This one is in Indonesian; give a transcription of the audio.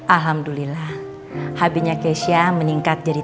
alhamdulillah hb nya keisha meningkat jadi tiga belas